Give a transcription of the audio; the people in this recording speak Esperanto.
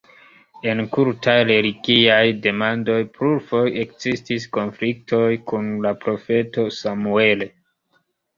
En kultaj-religiaj demandoj plurfoje ekzistis konfliktoj kun la profeto Samuel.